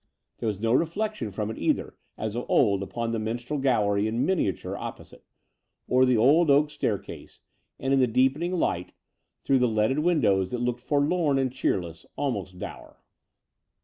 There was no reflection Between London and Clfrmplng i6i from it either, as of old, upon the minstrel gallery in miniattire opposite, or the old oak staircase; and in the deepening light, through the leaded windows, it looked forlorn and cheerless — almost dour.